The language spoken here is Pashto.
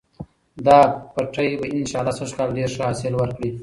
دا پټی به انشاالله سږکال ډېر ښه حاصل ورکړي.